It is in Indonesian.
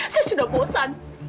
saya sudah bosan